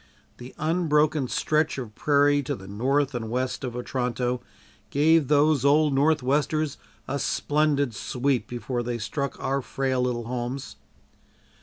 The unbroken stretch of prairie to the north and west of Otranto gave those old "northwesters" a splendid sweep before they struck our frail little homes.